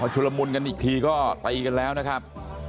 ชุลมุนกันอีกทีก็ตีกันแล้วนะครับ